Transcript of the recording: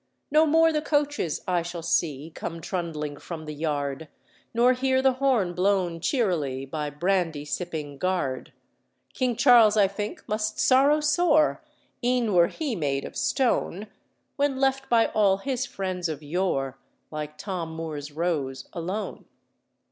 "No more the coaches I shall see Come trundling from the yard, Nor hear the horn blown cheerily By brandy sipping guard. King Charles, I think, must sorrow sore, E'en were he made of stone, When left by all his friends of yore (Like Tom Moore's rose) alone.